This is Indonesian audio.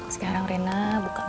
sekarang rena buka mobil